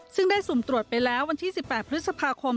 ซึ่งได้สุ่มตรวจไปแล้ววันที่๑๘พฤษภาคม